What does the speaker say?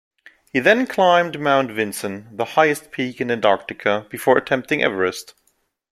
He then climbed Mount Vinson, the highest peak in Antarctica, before attempting Everest.